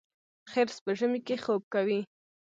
خرس په ژمي کې خوب کوي